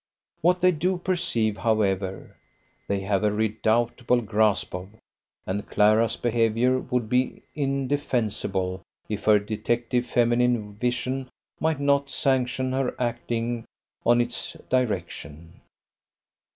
What they do perceive, however, they have a redoubtable grasp of, and Clara's behaviour would be indefensible if her detective feminine vision might not sanction her acting on its direction.